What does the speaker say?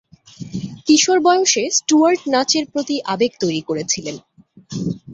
কিশোর বয়সে, স্টুয়ার্ট নাচের প্রতি আবেগ তৈরি করেছিলেন।